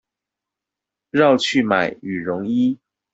繞去買羽絨衣